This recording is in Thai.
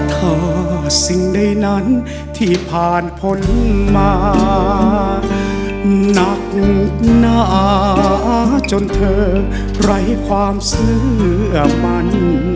ถ้าสิ่งใดนั้นที่ผ่านพ้นมาหนักหนาจนเธอไร้ความเชื่อมัน